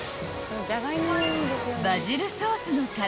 ［バジルソースの絡んだ］